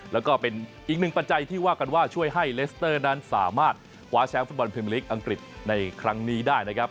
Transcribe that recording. แล้วก็เป็นอีกหนึ่งปัจจัยที่ว่ากันว่าช่วยให้เลสเตอร์นั้นสามารถคว้าแชมป์ฟุตบอลพิมพลิกอังกฤษในครั้งนี้ได้นะครับ